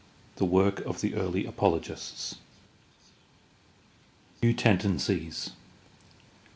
THE WORK OF THE EARLY APOLOGISTS New tendencies.